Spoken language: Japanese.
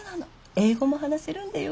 英語も話せるんだよ。